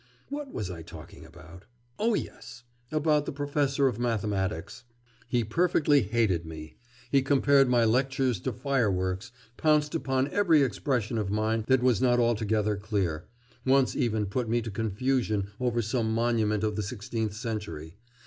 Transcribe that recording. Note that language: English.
'What was I talking about?... Oh yes! about the professor of mathematics. He perfectly hated me; he compared my lectures to fireworks, pounced upon every expression of mine that was not altogether clear, once even put me to confusion over some monument of the sixteenth century....